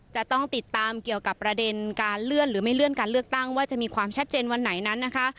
จะต้องติดตามเกี่ยวกับประเด็นการเลื่อนหรือไม่เลื่อนการเลือกตั้งว่าจะมีความชัดเจนวันไหนนั้นนะคะ